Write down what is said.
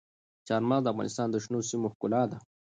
چار مغز د افغانستان د شنو سیمو ښکلا ده.